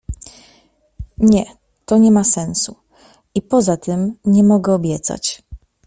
” „Nie, to nie ma sensu i poza tym nie mogę obiecać.